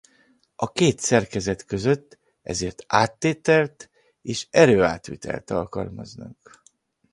A két szerkezet között ezért áttételt és erőátvitelt alkalmaznak.